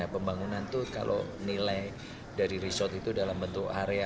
pembangunan itu kalau nilai dari resort itu dalam bentuk area